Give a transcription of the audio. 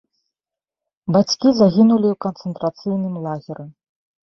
Бацькі загінулі ў канцэнтрацыйным лагеры.